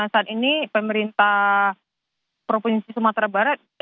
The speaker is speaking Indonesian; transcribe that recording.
saat ini pemerintah provinsi sumatera barat